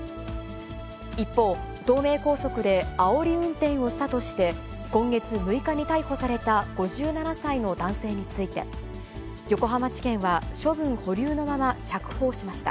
一方、東名高速であおり運転をしたとして、今月６日に逮捕された５７歳の男性について、横浜地検は処分保留のまま釈放しました。